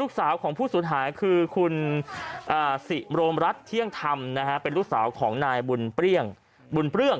ลูกสาวของผู้สูญหายคือคุณสิโรมรัฐเที่ยงธรรมเป็นลูกสาวของนายบุญเปรี้ยงบุญเปลื้อง